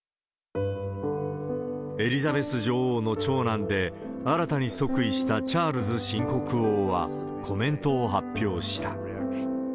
エリザベス女王の長男で、新たに即位したチャールズ新国王は、コメントを発表した。